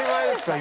今。